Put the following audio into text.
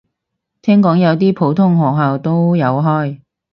聽講有啲普通學校都有開